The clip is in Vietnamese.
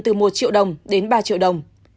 từ một triệu đồng đến ba triệu đồng